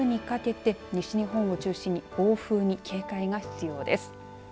あすにかけて西日本を中心に暴風に警戒が必要です。